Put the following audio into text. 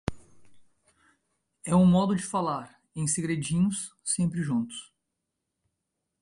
É um modo de falar. Em segredinhos, sempre juntos.